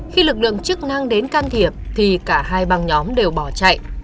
khi lực lượng chức năng đến can thiệp thì cả hai băng nhóm đều bỏ chạy